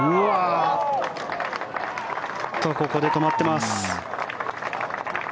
ここで止まっています。